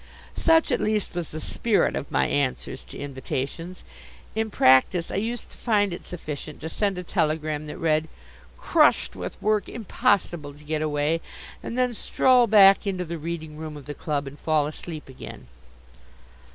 Such at least was the spirit of my answers to invitations. In practice I used to find it sufficient to send a telegram that read: "Crushed with work impossible to get away," and then stroll back into the reading room of the club and fall asleep again.